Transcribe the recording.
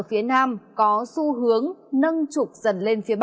phía nam có xu hướng nâng trục dần lên phía bắc bộ